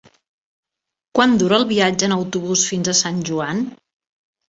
Quant dura el viatge en autobús fins a Sant Joan?